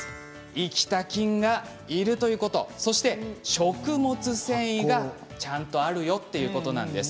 生きた菌がいるということそして食物繊維がちゃんとあるよっていうことなんです。